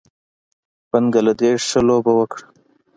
بنګله دېش ښه لوبه وکړه